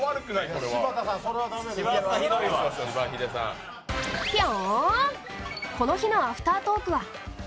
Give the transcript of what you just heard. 柴田さん、それは駄目ですよ。